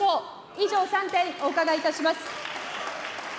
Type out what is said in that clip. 以上、３点、お伺いいたします。